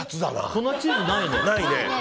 粉チーズないね。